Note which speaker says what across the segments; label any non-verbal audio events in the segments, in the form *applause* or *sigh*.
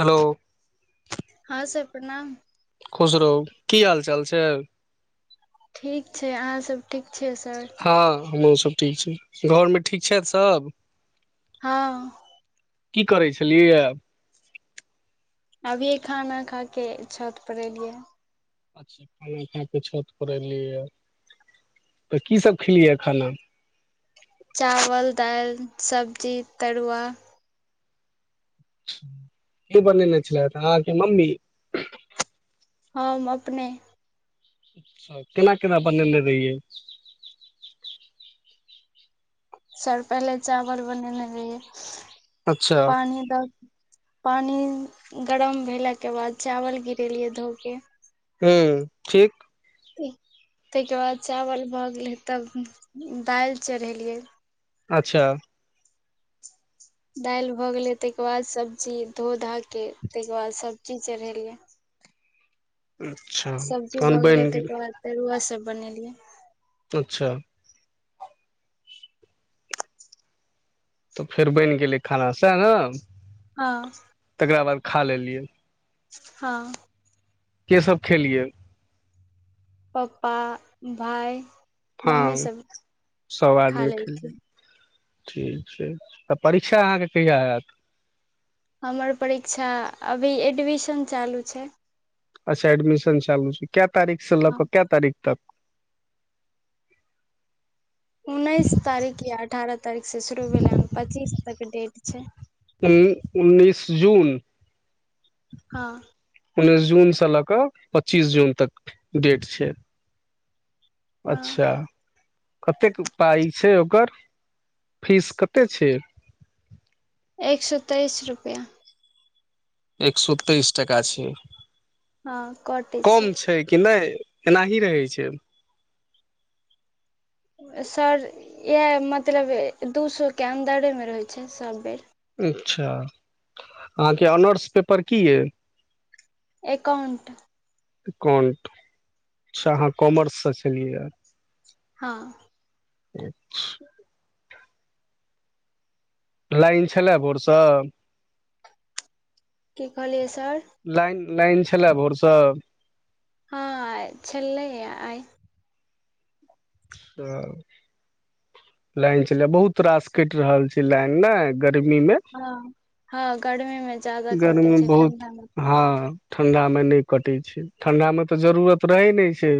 Speaker 1: hello
Speaker 2: हँ sir प्रणाम
Speaker 1: खुश रहू की हाल चाल छै
Speaker 2: ठीक छै अहाँसभ ठीक छियै सर
Speaker 1: हमहूँ सब ठीक छी घरमे ठीक छथि सभ
Speaker 2: हँ
Speaker 1: की करै छलियैए
Speaker 2: अभी खाना खा कऽ छतपर एलियै
Speaker 1: अच्छा खाना खा क छत पर एलियए तऽ कीसभ खेलियै खाना
Speaker 2: चावल दालि सब्जी तरुआ
Speaker 1: के बने ने छल अहाँके मम्मी
Speaker 2: हम अपने
Speaker 1: केना केना बनेने रहियै
Speaker 2: सर पहिले चावल बनेने रहियए
Speaker 1: अच्छा
Speaker 2: पानि दऽ पानि गरम भेलाके बाद चावल गिरेलियै धो कऽ
Speaker 1: हू ठीक
Speaker 2: ताहिके बाद चावल भऽ गेलै तब दालि चढ़ेलियै
Speaker 1: अच्छा
Speaker 2: दालि भऽ गेलै ताहिके बाद सब्जी धो धा के ताहिके बाद सब सब्जी चढ़ेलिय
Speaker 1: अच्छा
Speaker 2: सब्जी भऽ
Speaker 1: तहन
Speaker 2: गेलै
Speaker 1: बनि
Speaker 2: ताहिके बाद तरुआ सभ बनेलियै
Speaker 1: अच्छा तऽ फेर बनि गेलै खाना से‌ए न
Speaker 2: हँ
Speaker 1: तकरा बाद खा लेलियै
Speaker 2: हँ
Speaker 1: केसभ खेलियै
Speaker 2: पप्पा भाइ
Speaker 1: हँ सभ
Speaker 2: खा
Speaker 1: आदमी खेलियै
Speaker 2: लेलखिन
Speaker 1: ठीक छै तऽ परीक्षा अहाँके कहिया हेत
Speaker 2: हमर परीक्षा अभी एडमिशन चालू छै
Speaker 1: अच्छा एडमिशन चालू छै कौ तारीख से ल
Speaker 2: हँ,
Speaker 1: कऽ क तारीख तक
Speaker 2: उन्नैस तारीख या अठारह तारीखसँ शुरू भेलै हन पच्चीस तक डेट छै
Speaker 1: उन्नैस जून
Speaker 2: हँ
Speaker 1: उन्नैस जून से लऽ कऽ पच्चीस जून तक डेट छै
Speaker 2: हँ
Speaker 1: अच्छा कतेक पाइ छै ओकर फीस कतेक छै
Speaker 2: एक सए तेइस रुपैआ
Speaker 1: एक सो तेइस टाका छै
Speaker 2: हँ कटै
Speaker 1: कम छै कि नहि एनाही रहै छै
Speaker 2: सर इएह मतलब दू सए के अन्दरे मे रहैत छै सभ बेर
Speaker 1: अच्छा अहाँके ऑनर्स पेपर की यइ
Speaker 2: एकाउंट
Speaker 1: एकाउंट अच्छा अहाँ कॉमर्स स छलियैए
Speaker 2: हँ
Speaker 1: अच्छा लाइन छलए भोरसँ
Speaker 2: की कहली
Speaker 1: लाइन लाइन छलए भोरस
Speaker 2: हँ छले आइ
Speaker 1: लाइन चल बहुत रास कटि रहल छै लाइन ने गर्मी मे
Speaker 2: हँ हँ गर्मीमे ज्यादा
Speaker 1: गर्मी
Speaker 2: कटैत
Speaker 1: मे
Speaker 2: छै
Speaker 1: बहुत
Speaker 2: ठण्डा मौसम
Speaker 1: हँ ठंडा मे नहि कटै छै ठंडा मे तऽ जरूरत रहै नहि छै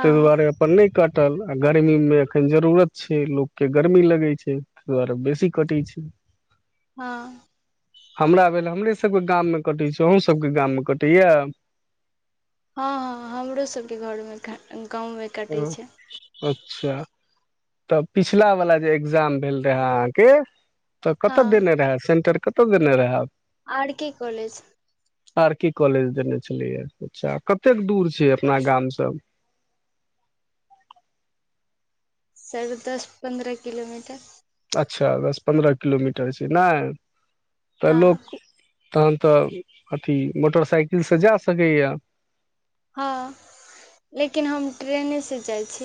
Speaker 1: त दुआरे अपन नहि कटल आ गर्मीमे एखन जरूरत छै लोकके गर्मी लगैत छै ताहि दुआरे बेसी कटी छै
Speaker 2: हँ
Speaker 1: हमरा भेल हमर सबके गाम मे कटै छी अहँ सबके गाम मे कटैया
Speaker 2: हँ हँ हमरो सबके घरमे गाँवमे कटै
Speaker 1: ह
Speaker 2: छै
Speaker 1: अच्छा तऽ पिछला वला जे एग्जाम भेल रहे अहाँके तऽ
Speaker 2: हँ
Speaker 1: कत देने रहे सेंटर कत कत देने रहै
Speaker 2: R K college
Speaker 1: R K college देने छलिय अच्छा कतेक दूर छै अपना गामसँ
Speaker 2: *inaudible* साढ़े दस पन्द्रह किलोमीटर
Speaker 1: अच्छा दस पन्द्रह किलोमीटर छै नहि तऽ
Speaker 2: हँ
Speaker 1: लोक तखन तऽ अथि मोटरसाइकिलसँ जा सकैए
Speaker 2: हँ लेकिन हम ट्रेनेसँ जाइत छी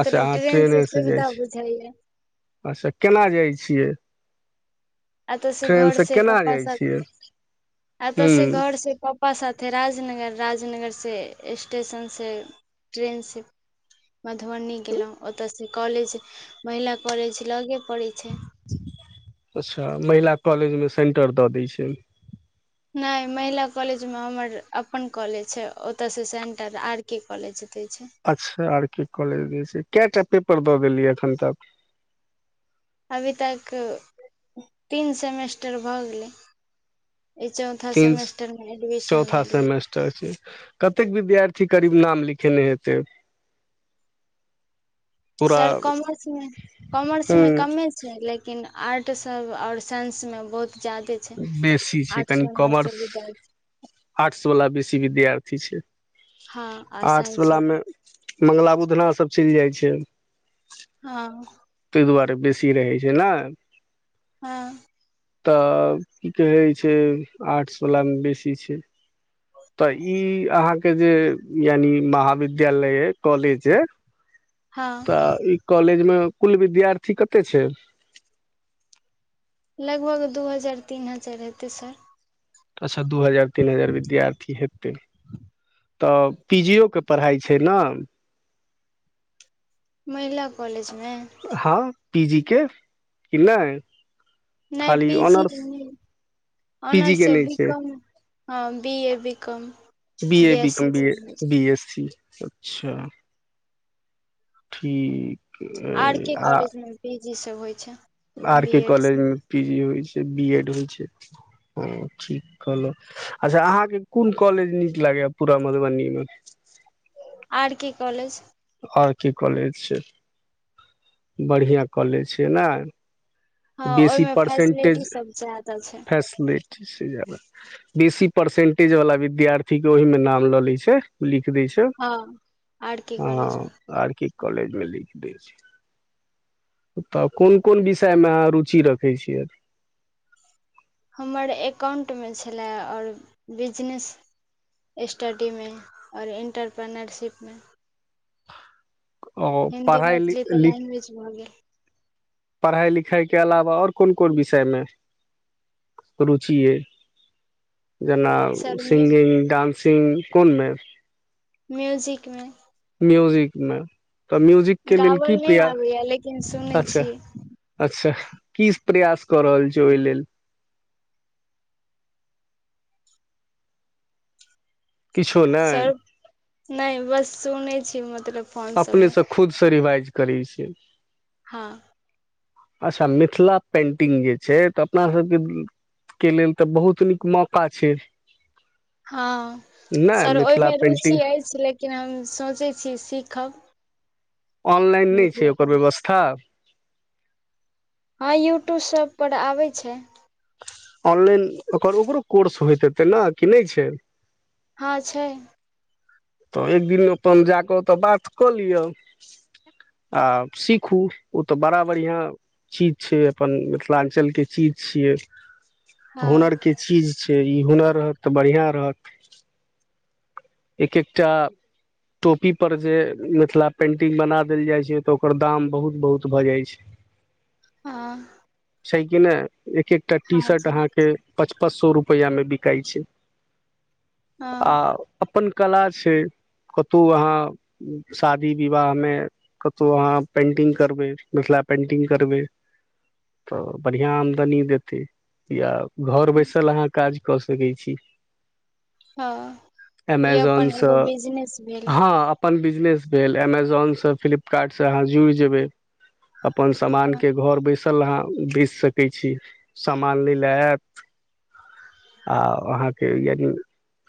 Speaker 1: अच्छा अहाँ
Speaker 2: ट्रेन से
Speaker 1: ट्रेनेसँ जाइ
Speaker 2: सुविधा
Speaker 1: छी
Speaker 2: बुझाइया
Speaker 1: अच्छा केना जाइ छियै
Speaker 2: आत से घर
Speaker 1: ट्रेनसँ
Speaker 2: से
Speaker 1: केना
Speaker 2: पप्पा
Speaker 1: जाइ
Speaker 2: साथ
Speaker 1: छियै
Speaker 2: आत से
Speaker 1: हूँ
Speaker 2: घर से पप्पा साथ थे राजनगर राजनगर से स्टेशन से ट्रेन से मधुबनी गेलहुँ ओतऽसँ कॉलेज महिला कॉलेज लगे पड़ै छै
Speaker 1: अच्छा महिला कॉलेजमे सेंटर दऽ दै छै
Speaker 2: नहि महिला कॉलेज मे हमर अपन कॉलेज छै ओतय से सेंटर आर के कॉलेज दै छै
Speaker 1: अच्छा आर के कॉलेज जे छै कए टा पेपर दऽ देलियै एखन तक
Speaker 2: अभी तक तीन सेमेस्टर भऽ गेलै ई चौथा
Speaker 1: तीन
Speaker 2: सेमेस्टर मे एडमिशन
Speaker 1: चौथा
Speaker 2: लेलियै
Speaker 1: सेमेस्टर छै कतेक विद्यार्थी करीब नाम लिख खेने हेतय
Speaker 2: सर कॉमर्समे कॉमर्स
Speaker 1: हूँ
Speaker 2: मे कमे छै लेकिन आर्ट्स आर्ट सब आओर साइंस मे बहुत जादे छै
Speaker 1: बेसी छै
Speaker 2: आर्ट्स
Speaker 1: कनि
Speaker 2: मे हमर
Speaker 1: कॉमर्स
Speaker 2: सब विद्यार्थी
Speaker 1: आर्ट्स वाला बेसी विद्यार्थी छै
Speaker 2: हँ आ
Speaker 1: आर्ट्स
Speaker 2: साइंस
Speaker 1: वला
Speaker 2: वाला
Speaker 1: मे मङ्गला बुघना सभ चलि जाइ छै
Speaker 2: हँ
Speaker 1: ताहि दुआरे बेसी रहै छै ने
Speaker 2: हँ
Speaker 1: तऽ की कहै छै आठसवलामे बेसी छै तऽ ई अहाँके जे यानि महाविद्यालय य कॉलेज अ
Speaker 2: हँ
Speaker 1: तऽ ई कॉलेज मे कुल विद्यार्थी कते छै
Speaker 2: लगभग दू हजार तीन हजार हेतै सर
Speaker 1: अच्छा दू हजार तीन हजार विद्यार्थी हेतै तऽ पीजी के पढ़ाइ छै ने
Speaker 2: महिला कॉलेज मे
Speaker 1: हँ पी जी के कि नहि ह
Speaker 2: नहि पी जी नहि
Speaker 1: पीजी
Speaker 2: ऑनर्स
Speaker 1: के
Speaker 2: स
Speaker 1: नहि
Speaker 2: बी
Speaker 1: छै
Speaker 2: कॉम हँ B A B com
Speaker 1: B A
Speaker 2: S C
Speaker 1: बमी
Speaker 2: सब होइ छै
Speaker 1: बी एस सी अच्छा ठीक आ
Speaker 2: जे सब होइ छै
Speaker 1: आर
Speaker 2: बी
Speaker 1: के
Speaker 2: एड
Speaker 1: कॉलेज
Speaker 2: से
Speaker 1: मे पी जी होइ छै बी एड होइ छै हँ ठीक कहलहु अच्छा अहाँके कोन कॉलेज नीक लागैए पूरा मधुबनी मे
Speaker 2: R K college
Speaker 1: R K college छै बढ़िआँ कॉलेज छिय ने
Speaker 2: हँ
Speaker 1: बेसी
Speaker 2: ओहिमे फैसिलिटी
Speaker 1: परसेंटेज
Speaker 2: सब ज्यादा छै
Speaker 1: फैसिलि जदा बेसी परसेंटेज वाला विद्यार्थी के ओहि मे नाम ल ले छै लिख लिख दे छै
Speaker 2: हँ आर के
Speaker 1: ह
Speaker 2: कॉलेज मे
Speaker 1: आर के कॉलेज मे लिख दे छै तऽ कोन कोन विषय मे रुचि रखै छियै
Speaker 2: हमर एकाउंट मे छलय आ बिजनेस स्टडी मे आओर इन्टरप्रेनरशिप मे
Speaker 1: ओ
Speaker 2: हिन्दी
Speaker 1: पढ़ाइ
Speaker 2: मैथिली तऽ
Speaker 1: लिख
Speaker 2: लैंग्वेज भऽ गेल
Speaker 1: पढ़ाइ लिखाइके अलावा आओर कोन कोन विषयमे रुचिए जेना
Speaker 2: सर
Speaker 1: सिङंगिंग डानसिंग कोनमे
Speaker 2: म्यूजिकमे
Speaker 1: म्यूजिक मे तऽ म्यूजिक के लेल
Speaker 2: गावल
Speaker 1: की
Speaker 2: नहि
Speaker 1: प्रयास
Speaker 2: आबैया लेकिन सुनै
Speaker 1: अच्छा
Speaker 2: छी
Speaker 1: अच्छा की प्रयास कऽ रहल छी ओहि लेल किछो नहि
Speaker 2: सर नहि बस सुनै छी मतलब फोन
Speaker 1: अपने
Speaker 2: सबमे
Speaker 1: सँ खुद सँ रिवाइज करैत छीिय
Speaker 2: हँ
Speaker 1: अच्छा मिथिला पेन्टिंग जे छै तऽ अपनासभके के लेल तऽ बहुत नीक मौका छै
Speaker 2: हँ
Speaker 1: नहि
Speaker 2: सर
Speaker 1: मिथिला
Speaker 2: ओहिमे
Speaker 1: पेंटिंग
Speaker 2: रुचि अछि लेकिन हम सोचै छी सीखब
Speaker 1: ऑनलाइन नहि
Speaker 2: मिथिला
Speaker 1: छै ओकर
Speaker 2: पेंट
Speaker 1: व्यवस्था
Speaker 2: हँ यूट्यूब सभपर आबै छै
Speaker 1: ऑनलाइन ओकर ओकरो कोर्स होयइत हेतै ने कि नहि छै
Speaker 2: हँ छै
Speaker 1: तऽ एक दिन अपन जा कऽ ओतऽ बात कऽ लिअ आ सीखू ओ तऽ बड़ा बढ़िआँ चीज छै अपन मिथिलाञ्चलके चीज छियै
Speaker 2: हँ
Speaker 1: हुनरके चीज छै ई हुनर रहत तऽ बढ़िआँ रहत एक एकटा टोपी पर जे मिथिला पेंटिंग बना देल जाइ छै तऽ ओकर दाम बहुत बहुत भऽ जाइ छै
Speaker 2: हँ
Speaker 1: छै कि नहि एक एकटा टी
Speaker 2: हँ
Speaker 1: शर्ट
Speaker 2: सर
Speaker 1: अहाँके पाँच पाँच सौ रुपया मे बिकाइ छै आ
Speaker 2: हँ
Speaker 1: अपन कला छै कतहु अहाँ शादी विवाह मे कतहु अहाँ पेन्टिंग करबै मिथिला पेन्टिंग करबै त बढ़िया आमदनी दैते या घर बैसल अहाँ काज कऽ सकै छी
Speaker 2: हँ ई
Speaker 1: एमेजोन
Speaker 2: अपन
Speaker 1: सँ
Speaker 2: एगो बिजनेस भेल
Speaker 1: हँ अपन बिज बिजनेस भेल एमेजोन स फिल्पकार्ट स आहा जूड़ि जेबै अपन समान के घर बैस चल अहाँ बेच सकै छी सामान लै ले आयत आ अहाँके यानि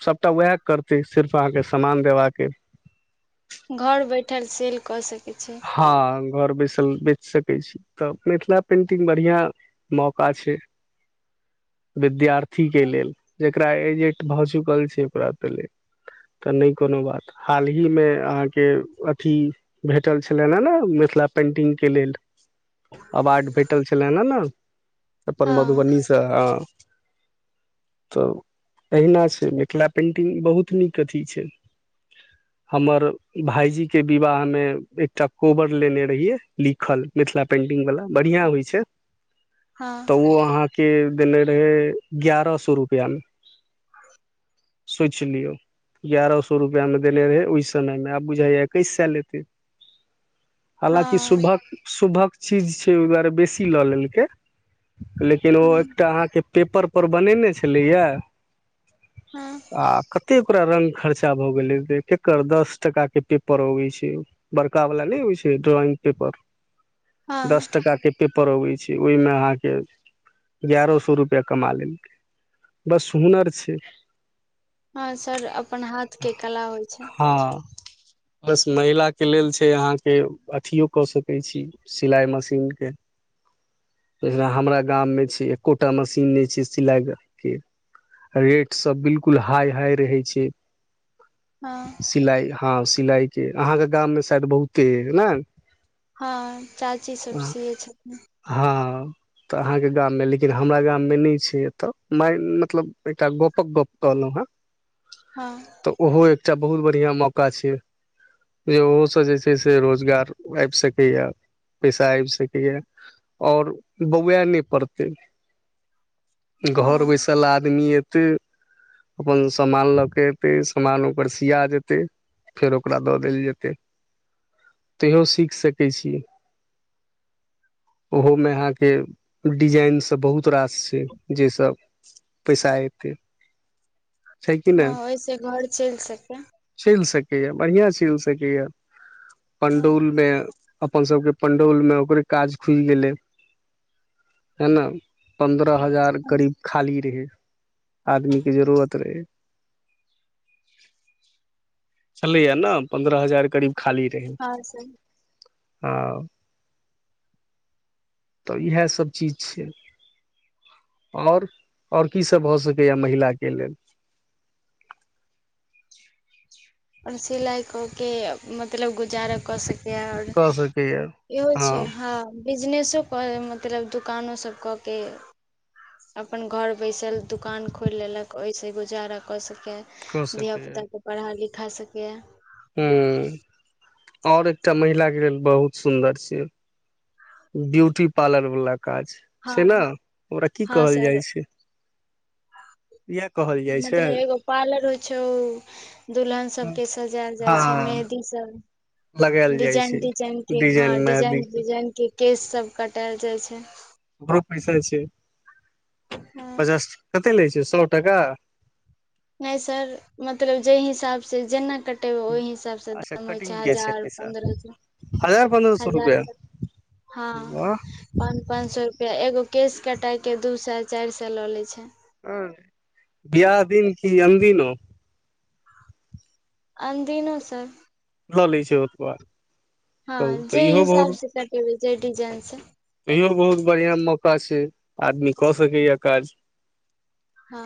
Speaker 1: सभटा वैह करतै सिर्फ अहाँके समान देबाक अइ
Speaker 2: घर बैठल सेल कऽ सकी
Speaker 1: हँ घर बैसल बेच सकै छी तऽ मिथिला पेन्टिंग बढ़िआँ मौका छै विद्यार्थीके
Speaker 2: हँ
Speaker 1: लेल जेकरा एजेट भऽ चुकल छै पूरा पले तऽ नहि कोनो बात हाल ही मे अहाँके अथी भेट भेटल छलनि ह ने मिथिला पेंटिंग के लेल अवार्ड भेटल छलनि हे ने अपन
Speaker 2: हँ
Speaker 1: मधुबनीसँ ह
Speaker 2: *unintelligible*
Speaker 1: तऽ अहिना छै मिथिला पेन्टिंग बहुत नीक अथी छै हमर भायजी के विवाहमे एकटा कोबर लेने रहियै लिखल मिथिला पेंटिंग वाला बढ़िया होय छै
Speaker 2: हँ
Speaker 1: तऽ ओ अहाँके देने रहै एगारह सए रुपैआमे
Speaker 2: आ
Speaker 1: सोचि लियौ एगारह सए रुपआ मे देने रहै ओहि समय मे आब बुझा एकैस सए लेते हालँकि शुभक शुभक चीज छै ओहि दुआरे बेसी लऽ लेलकै लेकिन ओ
Speaker 2: हँ
Speaker 1: एकटा अहाँके पेपरपर बनेने छलैए आ कते ओकरा रंग खर्चा भ गेलै केकर दस टका के पेपर अबै छै ओ बड़का वाला नहि होइ छै ड्रॉइंग पेपर
Speaker 2: हँ
Speaker 1: दस टका के पे परबै छै ओहिमे अहाँ के गयारह सए रुपआ कमा लेलकै बस हुनर छै
Speaker 2: हँ सर अपन हाथके कला होय छै
Speaker 1: हँ बस महिला के लेल छै अहाँके अथिओ कऽ सकै छी सिलाइ मशीनके जेना हमरा गाममे छै एकोटा मशीन नहि छै सिलाइ के रेट सब बिल्कुल हाई हाई रहै छै
Speaker 2: हँ
Speaker 1: सिलाइ हँ सिलाइ के अहाँके गाममे शायद बहुते अय न
Speaker 2: हँ चाची सब सियए छथिन
Speaker 1: हँ तऽ अहाँके गाम मे लेकिन हमरा गाम मे नहि छै एतऽ माय मतलब एकटा गपक गप कल
Speaker 2: हँ
Speaker 1: तऽ ओहो एकटा बहुत बढ़िआँ मौका छै जे ओहोसँ जे छै से रोजगार आबि सकैऐ पैसा आबि सकैऐ आओर बौआए नहि पड़तै घर
Speaker 2: हँ
Speaker 1: बैसल आदमी एत्ते अपन सामान लऽ के एतै सामान ओकर सिया जेतै फेर ओकरा दऽ देल जेतै तेहो सीख सकैत छी
Speaker 2: *inaudible*
Speaker 1: ओहोमे अहाँके डिजाइनसभ बहुत रास छै जहिसँ पैसा एतै छै कि
Speaker 2: हँ
Speaker 1: नहि
Speaker 2: ओहिस घर चलि सकै
Speaker 1: य बढ़िआं चीज सके य
Speaker 2: हँ
Speaker 1: पंडौल मे अपन सबके पंडौल मे ओकरे काज खुल गेलै हैय न पंन्द्रह हजार
Speaker 2: हँ
Speaker 1: करीब खाली रहै आदमी की जरूरत रहै छलैया ने पन्द्रह हजार करीब खाली रहै
Speaker 2: हँ सर
Speaker 1: हँ तऽ इएहसभ चीज छै आओर आओर की सब भऽ सकैया महिला के के लेल
Speaker 2: अपन सिलाइ कऽ के मतलब गुजारा कऽ सक
Speaker 1: कऽ सकैया
Speaker 2: एहो छै हँ बिजनेस कचो कऽ मतलब दोकानोसभ कऽ के अपन घर बैसल दुकान खोलि लेलक ओहिस गुजारा कऽ सकी
Speaker 1: कऽ
Speaker 2: धियापुताके पढ़ा लिखा सकेैए
Speaker 1: हू आओर एकटा महिला के लेल बहुत सुन्दर छियै ब्यूटी पार्लर वाला काज छै न
Speaker 2: हँ
Speaker 1: ओकरा की कहल जाइ छै
Speaker 2: ह
Speaker 1: इएह कहल जाइ
Speaker 2: *inaudible*
Speaker 1: छै
Speaker 2: मतलब एगो पार्लर होइ छै ओ दुलहन सबके सजायल जाइ छै
Speaker 1: हँ
Speaker 2: मेह
Speaker 1: लगायल
Speaker 2: सब
Speaker 1: जाइ छै
Speaker 2: डिजाइन डिजाइन के हँ
Speaker 1: डिजाइन मे
Speaker 2: डिजाइन डिजाइन के केश सब कटायल जाइत छै
Speaker 1: ओकरो पैसा छै
Speaker 2: हँ
Speaker 1: पचास कत्ते लै छै सौ टका
Speaker 2: नहि सर मतलब जेहि हिसाबसँ जेना कटेबै ओहि हिसाबसँ
Speaker 1: अच्छा
Speaker 2: दाम होइ छै
Speaker 1: कटिंग के
Speaker 2: हजार
Speaker 1: पैसा
Speaker 2: पन्द्रह सौ
Speaker 1: हजार पन्द्रह सौ
Speaker 2: हजार
Speaker 1: रुपआ
Speaker 2: पन् हँ
Speaker 1: वाह
Speaker 2: पाँच पाँच सौ रुपया एगो केश कटैके दू सए चारि सए लऽ लै छै
Speaker 1: हूँ बियाह दिन की अनदिनो
Speaker 2: अनदिनो सर
Speaker 1: लऽ लै छै ओतबे
Speaker 2: हँ जे हिसाब से कटेबै जै डिजाइन सँ
Speaker 1: इहो बहुत बढ़ियां मौका छै आदमी कऽ सकैए काज
Speaker 2: हँ